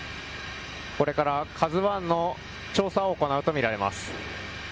これから「ＫＡＺＵ１」の調査を行うとみられます。